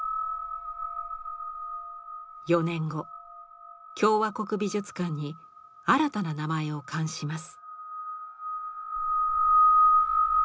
４年後共和国美術館に新たな名前を冠します。